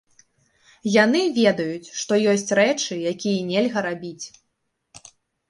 Яны ведаюць, што ёсць рэчы, якія нельга рабіць.